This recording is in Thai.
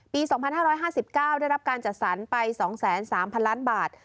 ปี๒๕๕๙ได้รับการจัดสรรไป๒๓๐๐๐ล้านบาท